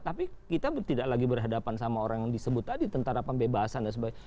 tapi kita tidak lagi berhadapan sama orang yang disebut tadi tentara pembebasan dan sebagainya